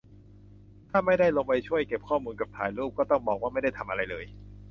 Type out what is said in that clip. ถ้าไม่ได้ลงไปช่วยเก็บข้อมูลกับถ่ายรูป ก็ต้องบอกว่า ไม่ได้ทำอะไรเลย